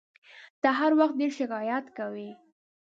ته هر وخت ډېر شکایت کوې !